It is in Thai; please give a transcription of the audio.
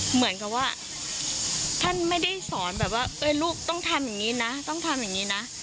เหมือนกับว่าท่านไม่ได้สอนแบบว่าลูกต้องทำอย่างนี้นะต้องทำอย่างนี้นะ